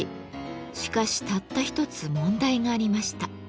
しかしたった一つ問題がありました。